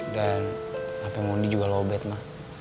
dan hape monde juga lowbat ma